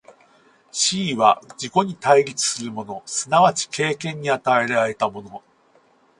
思惟は自己に対立するもの即ち経験に与えられたもの、